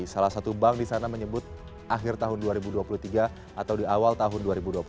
salah satu bank di sana menyebut akhir tahun dua ribu dua puluh tiga atau di awal tahun dua ribu dua puluh satu